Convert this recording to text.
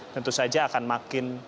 tentu saja akan makin